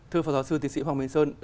thưa phó giáo sư tiến sĩ hoàng minh sơn